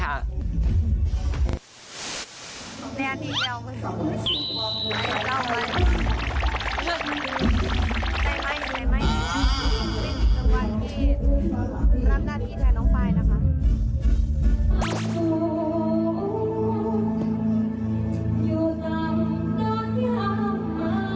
กล้องไว้